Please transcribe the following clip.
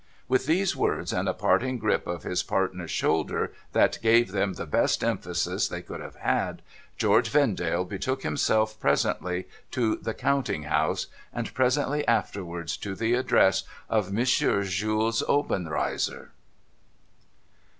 ' With these words, and a parting grip of his partner's shoulder that gave them the best emphasis they could have had, George Vendale betook himself presently to the counting house, and presently afterwards to the address of M. Jules Obenreizer.